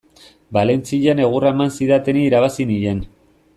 Valentzian egurra eman zidatenei irabazi nien.